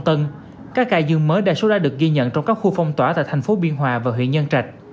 các ca dương mới đa số ra được ghi nhận trong các khu phong tỏa tại thành phố biên hòa và huyện nhân trạch